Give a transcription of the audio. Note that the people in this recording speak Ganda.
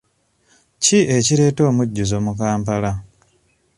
Kiki ekireeta omujjuzo mu Kampala?